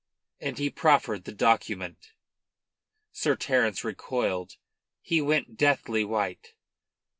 And he proffered the document. Sir Terence recoiled. He went deathly white.